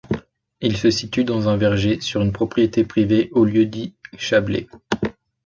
Il se situe dans un verger, sur une propriété privée au lieu-dit Chablé.